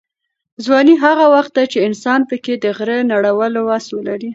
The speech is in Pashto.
ځواني هغه وخت ده چې انسان پکې د غره د نړولو وس لري.